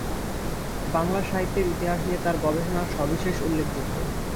বাংলা সাহিত্যের ইতিহাস নিয়ে তার গবেষণা সবিশেষ উল্লেখযোগ্য।